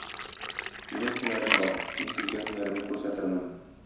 Минем һөнәрем бар, мин сезгә һөнәремне күрсәтермен.